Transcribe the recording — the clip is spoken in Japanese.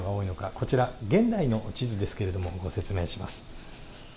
こちら現代の地図ですけれどもご説明します。